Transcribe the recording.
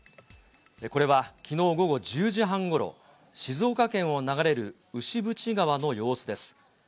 これはきのう午後１０時半ごろ、静岡県を流れる牛渕川の様子です。